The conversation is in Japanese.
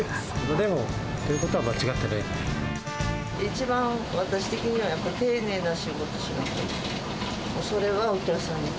でも、言ってることは間違ってな一番、私的にはやっぱり丁寧な仕事をしなさい。